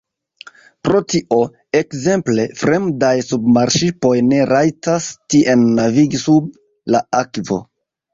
Pro tio, ekzemple, fremdaj submarŝipoj ne rajtas tien navigi sub la akvo.